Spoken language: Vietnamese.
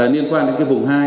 liên quan đến vùng hai